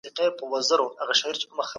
ډیپلوماټیک سفرونه باید ګټور وي.